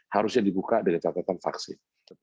harusnya dibuka dari catatan vaksin